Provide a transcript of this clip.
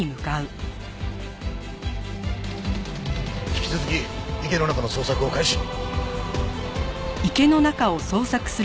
引き続き池の中の捜索を開始！